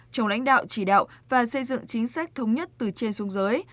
trong lãnh đạo chỉ đạo và xây dựng chính sách thống nhất từ trên xuống dưới